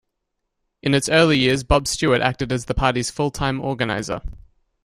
In its early years, Bob Stewart acted as the party's full-time organiser.